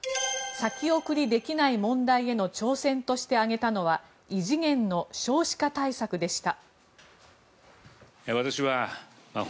先送りできない問題への挑戦として挙げたのは異次元の少子化対策でした。